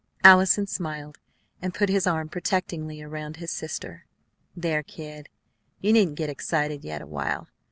Allison smiled, and put his arm protectingly around his sister. "There, kid, you needn't get excited yet awhile.